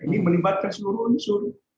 ini melibatkan seluruh unsur